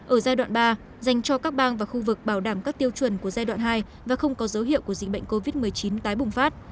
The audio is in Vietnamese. ở giai đoạn ba dành cho các bang và khu vực bảo đảm các tiêu chuẩn của giai đoạn hai và không có dấu hiệu của dịch bệnh covid một mươi chín tái bùng phát